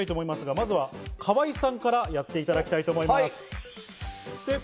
まず河井さんからやっていただきたいと思います。